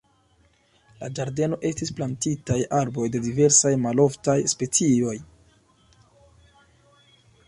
La ĝardeno estis plantitaj arboj de diversaj maloftaj specioj.